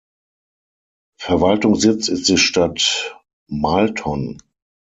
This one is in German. Verwaltungssitz ist die Stadt Malton.